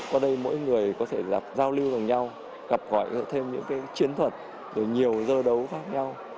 qua đây mỗi người có thể giao lưu gần nhau gặp gọi thêm những chiến thuật nhiều dơ đấu khác nhau